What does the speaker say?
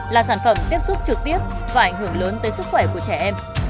là sản phẩm tiếp xúc trực tiếp và ảnh hưởng lớn tới sức khỏe của trẻ em